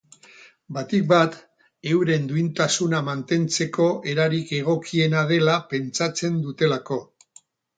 Batik bat, euren duintasuna mantentzeko erarik egokiena dela pentsatzen dutelako.